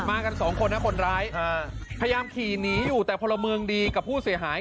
กันสองคนนะคนร้ายพยายามขี่หนีอยู่แต่พลเมืองดีกับผู้เสียหาย